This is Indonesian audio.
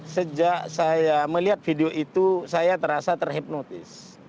sejak saya melihat video itu saya terasa terhipnotis